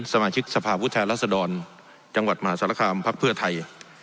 สมาชิกสภาพวุทยาลัศดรจังหวัดมหาศาลคามภักดิ์เพื่อไทย